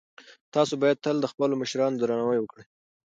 تاسو باید تل د خپلو مشرانو درناوی وکړئ.